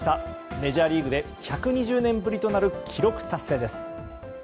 メジャーリーグで１２０年ぶりとなる記録達成です。